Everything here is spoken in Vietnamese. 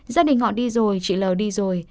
gia đình họ đi rồi chị l đi rồi